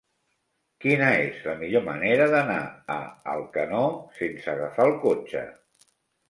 Quina és la millor manera d'anar a Alcanó sense agafar el cotxe?